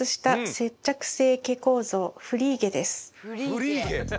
フリーゲ。